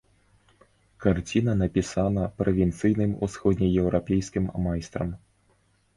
Карціна напісана правінцыйным усходнееўрапейскім майстрам.